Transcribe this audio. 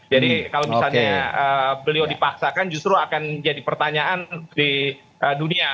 jadi kalau misalnya beliau dipaksakan justru akan jadi pertanyaan di dunia